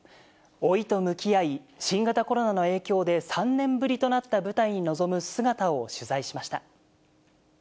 老いと向き合い、新型コロナの影響で３年ぶりとなった舞台に臨む姿を取材しました。